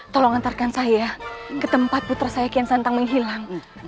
tolong antarkan saya ke tempat putra saya kian santang menghilang